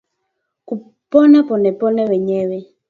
kupona polepole mwenyewe